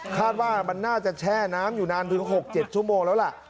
คาดว่ามันน่าจะแช่น้ำอยู่นานถึง๖๗ชั่วโมงแล้วล่ะ